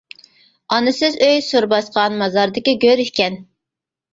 ئانىسىز ئۆي سۈر باسقان، مازاردىكى گۆر ئىكەن.